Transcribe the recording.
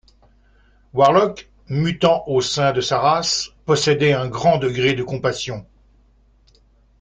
Warlock, mutant au sein de sa race, possédait un grand degré de compassion.